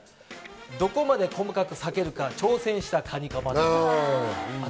どこまで細かく割けるか挑戦したカニカマだとか。